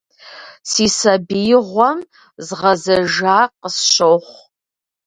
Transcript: Си сабиигъуэм згъэзэжа къысщохъу.